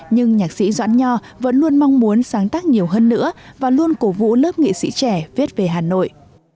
nhưng nhạc sĩ doãn nho vẫn luôn mong muốn sáng tác nhiều hơn nữa và luôn cổ vũ lớp nghệ sĩ trẻ viết về hà nội